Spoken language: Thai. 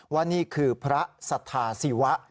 ว่านี่คือพระสัทธาศิวะ